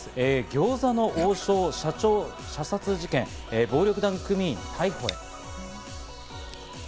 餃子の王将社長射殺事件、暴力団組員逮捕へ。